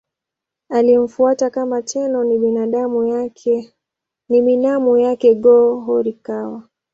Aliyemfuata kama Tenno ni binamu yake Go-Horikawa.